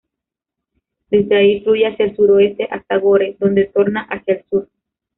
Desde ahí, fluye hacia el sureste hasta Gore, donde torna hacia el sur.